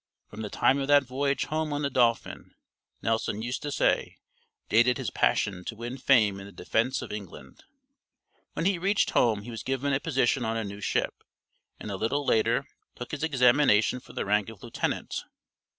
From the time of that voyage home on the Dolphin, Nelson used to say, dated his passion to win fame in the defense of England. When he reached home he was given a position on a new ship, and a little later took his examination for the rank of lieutenant.